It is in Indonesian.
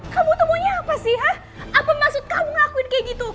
kamu tuh punya apa sih hah apa maksud kamu ngelakuin kayak gitu